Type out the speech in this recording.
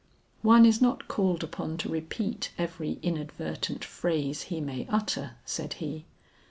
"One is not called upon to repeat every inadvertent phrase he may utter," said he.